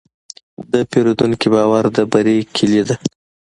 د پیرودونکي باور د بری کلید دی.